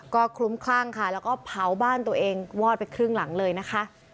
ก็คลุ้มคลั่งค่ะแล้วก็เผาบ้านตัวเองวอดไปครึ่งหลังเลยนะคะ